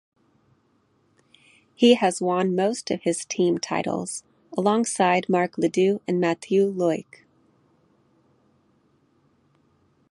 He has won most of his team titles alongside Marc Ledoux and Mathieu Loicq.